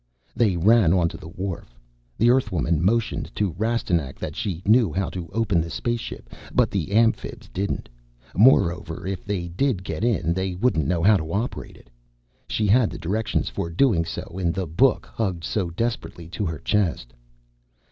They ran onto the wharf. The Earthwoman motioned to Rastignac that she knew how to open the spaceship, but the Amphibs didn't. Moreover, if they did get in, they wouldn't know how to operate it. She had the directions for so doing in the book hugged so desperately to her chest.